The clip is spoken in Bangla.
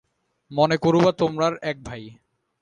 মনে করুবা তোমরার এক ভাই।